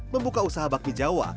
membuka usaha bakmi jawa